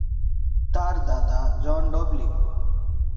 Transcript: তার দাদা, John W.